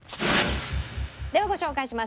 ではご紹介します。